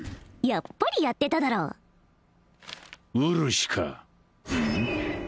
やっぱりやってただろうるしかうん？